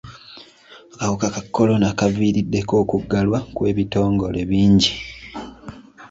Akawuka ka kolona kaviiriddeko okuggalwa kw'ebitongole bingi.